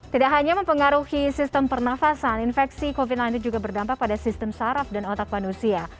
tidak hanya mempengaruhi sistem pernafasan infeksi covid sembilan belas juga berdampak pada sistem saraf dan otak manusia